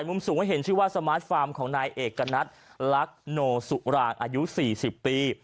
มุมสูงให้เห็นชื่อว่าสมาร์ทฟาร์มของนายเอกณัฐลักโนสุรางอายุ๔๐ปี